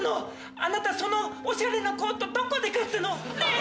あなたそのオシャレなコートどこで買ったの？ねぇ！